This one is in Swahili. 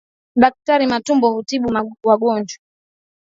Daktari Matumbo hutibu wagonjwa.